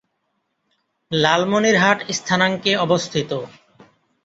লালমনিরহাট স্থানাঙ্কে অবস্থিত।